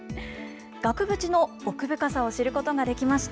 額縁の奥深さを知ることができました。